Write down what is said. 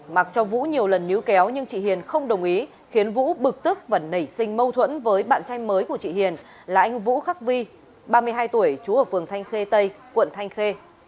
mặc cho vũ nhiều lần nhú kéo nhưng chị hiền không đồng ý khiến vũ bực tức và nảy sinh mâu thuẫn với bạn tranh mới của chị hiền là anh vũ khắc vi ba mươi hai tuổi chú ở phường thanh khê tây quận thanh khê